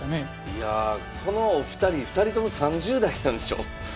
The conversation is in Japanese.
いやこのお二人２人とも３０代なんでしょ？